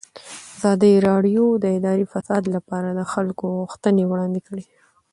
ازادي راډیو د اداري فساد لپاره د خلکو غوښتنې وړاندې کړي.